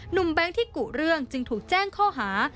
แบงค์ที่กุเรื่องจึงถูกแจ้งข้อหา